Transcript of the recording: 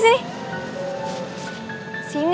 sini gue mau bantuin lo